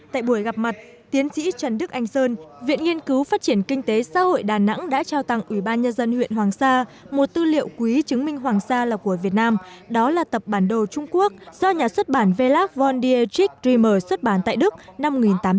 tại buổi gặp mặt tiến sĩ trần đức anh sơn viện nghiên cứu phát triển kinh tế xã hội đà nẵng đã trao tặng ủy ban nhân dân huyện hoàng sa một tư liệu quý chứng minh hoàng sa là của việt nam đó là tập bản đồ trung quốc do nhà xuất bản velav voldier trik rimer xuất bản tại đức năm một nghìn tám trăm tám mươi